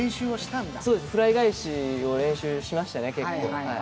フライ返しを練習しましたね、結構。